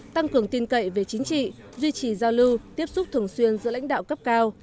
tăng cường tin cậy về chính trị duy trì giao lưu tiếp xúc thường xuyên giữa lãnh đạo cấp cao